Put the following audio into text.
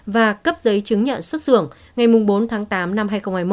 và cấp giấy chứng nhận xuất xưởng ngày bốn tháng tám năm hai nghìn hai mươi một